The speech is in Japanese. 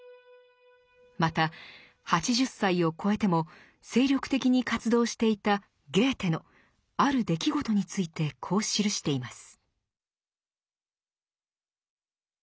また８０歳をこえても精力的に活動していたゲーテのある出来事についてこう記しています。